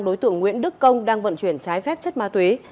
đối tượng nguyễn đức công đang vận chuyển trái phép chất ma túy